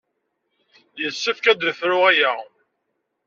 Yessefk ad nefru aya.